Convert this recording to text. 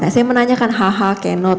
saya menanyakan haha cannot